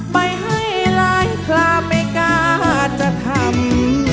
ไปให้หลายคราไม่กล้าจะทำ